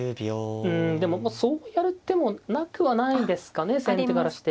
うんでもそうやる手もなくはないですかね先手からして。